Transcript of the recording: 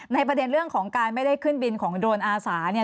ประเด็นเรื่องของการไม่ได้ขึ้นบินของโดรนอาสาเนี่ย